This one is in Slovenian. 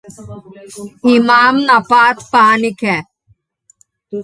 Imam napad panike.